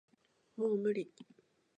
もう無理